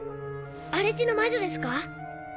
荒地の魔女ですか？